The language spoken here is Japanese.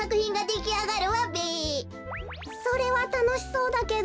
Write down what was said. それはたのしそうだけど。